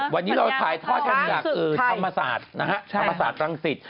วันนี้เราถ่ายทอดกันจากธรรมศาสตร์นะฮะธรรมศาสตร์รังสิต